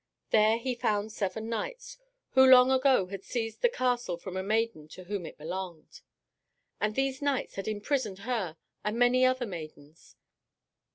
There he found seven knights, who long ago had seized the castle from a maiden to whom it belonged. And these knights had imprisoned her and many other maidens.